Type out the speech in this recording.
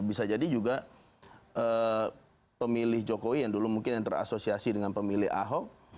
bisa jadi juga pemilih jokowi yang dulu mungkin yang terasosiasi dengan pemilih ahok